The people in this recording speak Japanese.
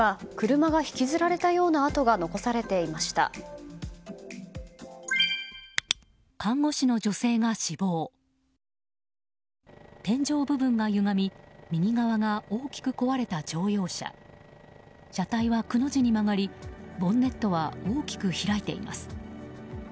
車体は、くの字に曲がりボンネットは大きく開いています。